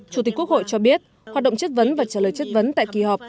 chủ tịch quốc hội cho biết hoạt động chất vấn và trả lời chất vấn tại kỳ họp